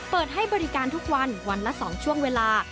เปิดให้บริการทุกวันวันละ๒ช่วงเวลา